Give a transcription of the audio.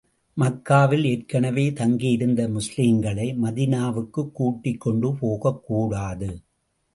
மக்காவில் ஏற்கனவே தங்கியிருந்த முஸ்லிம்களை, மதீனாவுக்குக் கூட்டிக் கொண்டு போகக் கூடாது.